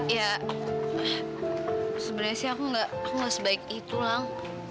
ya sebenernya sih aku gak sebaik itu lang